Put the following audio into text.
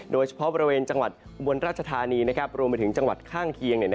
โดยเฉพาะบริเวณจังหวัดอุบลราชธานีรวมไปถึงจังหวัดข้างเคียง